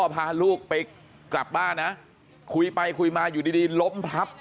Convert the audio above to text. พาลูกไปกลับบ้านนะคุยไปคุยมาอยู่ดีล้มพับ